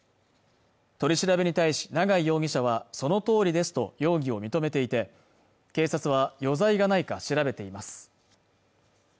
取り調べに対し永井容疑者はそのとおりですと容疑を認めていて警察は余罪がないか調べています